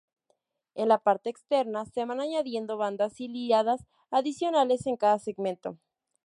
En la parte externa, se van añadiendo bandas ciliadas adicionales en cada segmento.